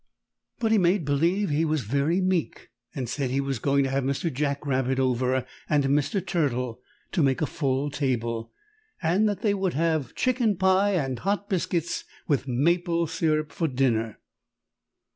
But he made b'lieve he was very meek and said he was going to have Mr. Jack Rabbit over, and Mr. Turtle, to make a full table, and that they would have chicken pie and hot biscuits with maple syrup for dinner.